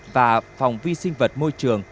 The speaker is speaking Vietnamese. và phòng vi sinh vật môi trường